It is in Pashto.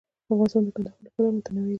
افغانستان د کندهار له پلوه متنوع دی.